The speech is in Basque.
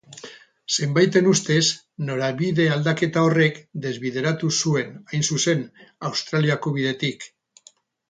Zenbaiten ustez, norabide-aldaketa horrek desbideratu zuen, hain zuzen, Australiako bidetik.